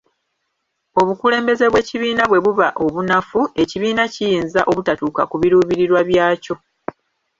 Obukulembeze bw’ekibiina bwe buba obunafu, ekibiina kiyinza obutatuuka ku biruubirirwa byakyo.